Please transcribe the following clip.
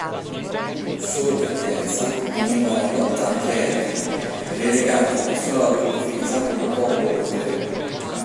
Solo per terza veniva la lotta antiaerei, relegata alla sola autodifesa o poco oltre.